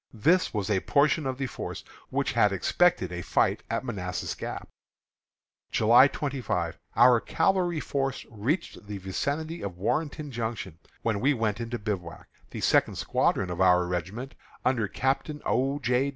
This was a portion of the force which had expected a fight at Manassas Gap. July 25. Our cavalry force reached the vicinity of Warrenton Junction, when we went into bivouac. The second squadron of our regiment, under Captain O. J.